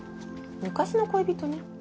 昔の恋人に？